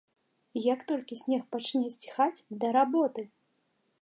Як толькі снег пачне сціхаць, да работы!